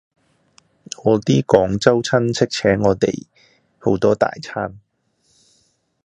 我啲廣州親戚請我吔好多大餐